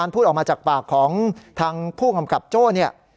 พูดออกมาจากปากของทางผู้กำกับโจ้เนี่ย